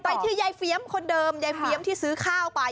ที่ยายเฟียมคนเดิมยายเฟียมที่ซื้อข้าวไป